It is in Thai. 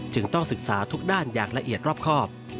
ต้องศึกษาทุกด้านอย่างละเอียดรอบครอบ